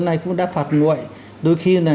nay cũng đã phạt nguội đôi khi là